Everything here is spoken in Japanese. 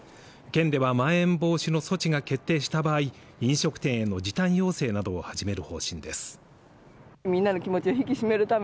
県ではまん延防止の措置が決定した場合飲食店への時短要請などを始める方針です